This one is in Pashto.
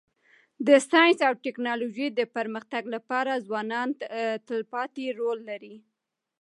د ساینس او ټکنالوژی د پرمختګ لپاره ځوانان تلپاتي رول لري.